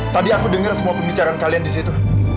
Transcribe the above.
tadi aku dengar semua pembicaraan kalian disitu